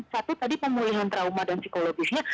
satu tadi pemulihan trauma dan psikologisnya